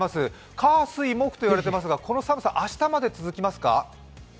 火水木と言われていますがこの寒さ、明日まで続きますか？